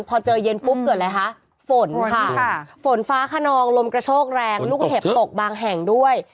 พอเจอเย็นปุ๊บเกิดอะไรคะฝนค่ะฝนฟ้าขนองลมกระโชกแรงลูกเห็บตกบางแห่งด้วย